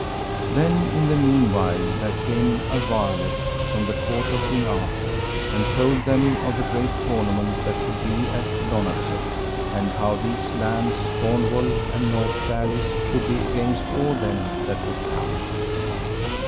Then in the meanwhile there came a varlet from the court of King Arthur, and told them of the great tournament that should be at Lonazep, and how these lands, Cornwall and Northgalis, should be against all them that would come.